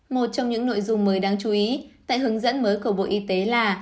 một trong những nội dung mới đáng chú ý tại hướng dẫn mới của bộ y tế là